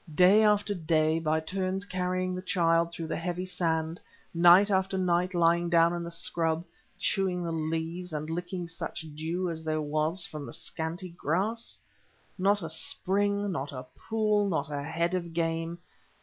Day after day, by turns carrying the child through the heavy sand; night after night lying down in the scrub, chewing the leaves, and licking such dew as there was from the scanty grass! Not a spring, not a pool, not a head of game!